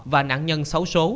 và nạn nhân xấu số